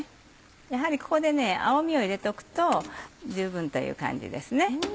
やはりここで青みを入れておくと十分という感じですね。